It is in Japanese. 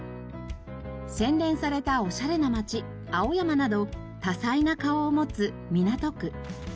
洗練されたオシャレな街青山など多彩な顔を持つ港区。